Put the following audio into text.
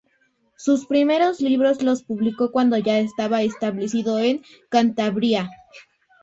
Sus primeros libros los publicó cuando ya estaba establecido en Cantabria.